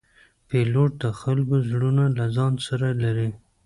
پیلوټ د خلکو زړونه له ځان سره لري.